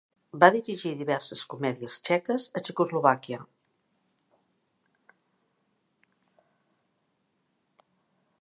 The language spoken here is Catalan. Va dirigir diverses comèdies txeques a Txecoslovàquia.